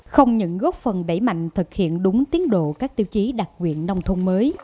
không những góp phần đẩy mạnh thực hiện đúng tiến độ các tiêu chí đặc quyện nông thôn mới